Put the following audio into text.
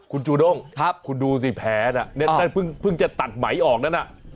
คุณจูด้งคุณดูสิแผลน่ะนั่นเพิ่งจะตัดไหมออกนั้นน่ะ